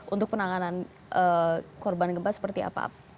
untuk penanganan korban gempa seperti apa